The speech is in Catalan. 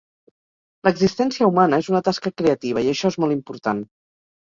L'existència humana és una tasca creativa, i això és molt important.